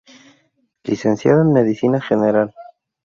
Licenciada en Medicina General.